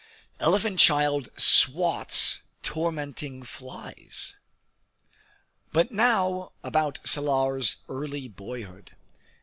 Elephant Child "Swats" Tormenting Flies But now about Salar's early boyhood.